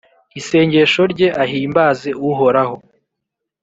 isengesho rye ahimbaze Uhoraho.